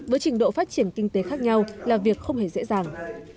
với trình độ phát triển kinh tế khác nhau là việc không hề dễ dàng